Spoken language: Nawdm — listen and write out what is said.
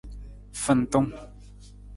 Fantung.